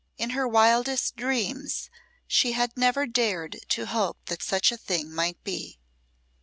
In her wildest dreams she had never dared to hope that such a thing might be.